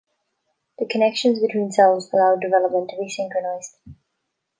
The connections between cells allow development to be synchronised.